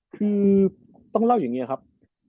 คือต้องเล่าอย่างนี้ครับ